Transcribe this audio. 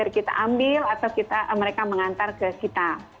kita ambil atau mereka mengantar ke kita